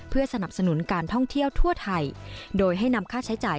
เพื่อสนับสนุนการท่องเที่ยวทั่วไทยโดยให้นำค่าใช้จ่าย